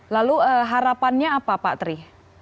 lalu harapannya apa pak tri